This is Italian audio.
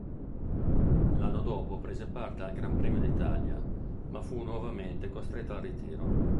L'anno dopo prese parte al Gran Premio d'Italia, ma fu nuovamente costretto al ritiro.